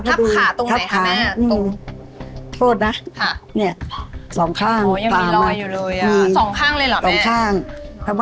ทับขาตรงไหนคะแม่